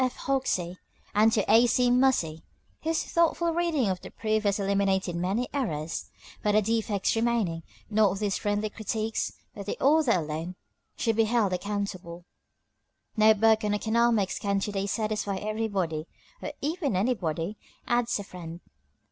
F. Hoxie and to A. C. Muhse, whose thoughtful reading of the proof has eliminated many errors. For the defects remaining, not these friendly critics, but the author alone, should be held accountable. No book on economics can to day satisfy everybody "Or even anybody," adds a friend.